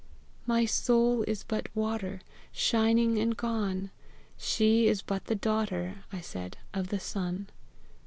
"My soul is but water, Shining and gone! She is but the daughter," I said, "of the sun!"